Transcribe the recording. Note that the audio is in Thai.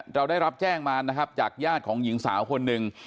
เราได้รับแจ้งมานะครับจากญาติของหญิงสาวคนหนึ่ง